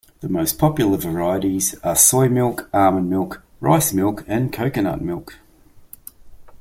The most popular varieties are soy milk, almond milk, rice milk and coconut milk.